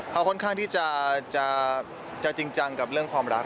เขาค่อนข้างที่จะจริงจังกับเรื่องความรัก